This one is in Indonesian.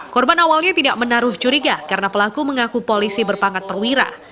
korban awalnya tidak menaruh curiga karena pelaku mengaku polisi berpangkat perwira